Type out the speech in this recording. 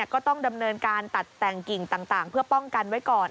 ก็ต้องดำเนินการตัดแต่งกิ่งต่างเพื่อป้องกันไว้ก่อน